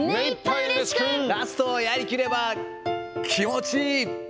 ラスト、やりきれば気持ちいい！